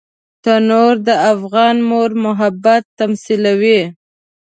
تنور د افغان مور محبت تمثیلوي